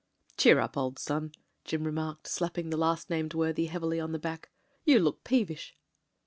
"Cheer up, old son," Jim remarked, slapping the last named worthy heavily on the back. "You look peevish."